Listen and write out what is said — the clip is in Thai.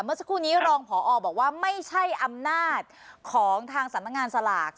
เมื่อสักครู่นี้รองผอบอกว่าไม่ใช่อำนาจของทางสำนักงานสลาก